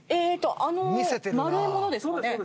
あの丸い物ですかね。